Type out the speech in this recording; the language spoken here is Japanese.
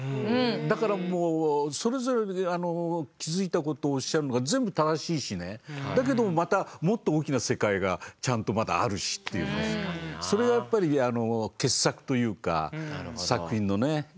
だからもうそれぞれで気付いたことをおっしゃるのが全部正しいしねだけどもまたもっと大きな世界がちゃんとまだあるしというねそれがやっぱりあの傑作というか作品のねよさですよね。